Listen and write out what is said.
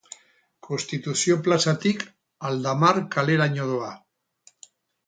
Konstituzio plazatik Aldamar kaleraino doa.